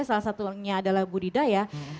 salah satunya adalah budidaya